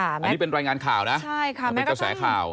อันนี้เป็นรายงานข่าวนะมันเป็นกระแสข่าว